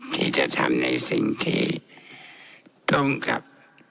ที่จะทำในสิ่งที่ตรงกับ